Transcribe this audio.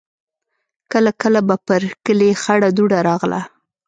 کله کله به پر کلي خړه دوړه راغله.